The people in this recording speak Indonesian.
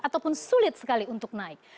ataupun sulit sekali untuk naik